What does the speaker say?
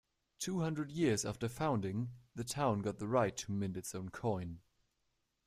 Two hundred years after founding, the town got the right to mint its own coin.